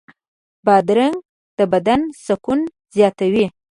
بادرنګ د بدن سکون زیاتوي.